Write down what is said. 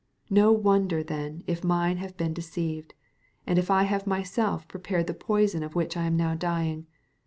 No wonder then if mine have been deceived, and I have myself prepared the poison of which I am now dying.